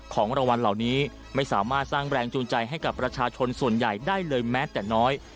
ของรางวัลเหล่านี้ไม่สามารถสร้างแรงจูงใจให้กับประชาชนส่วนใหญ่ได้เลยแม้แต่น้อย